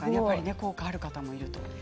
効果ある方もいると。